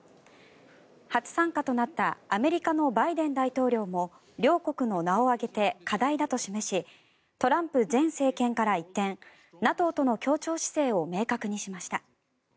初参加となったアメリカのバイデン大統領も両国の名を挙げて課題だと示しトランプ前政権から一転ＮＡＴＯとの協調姿勢を明確にしました。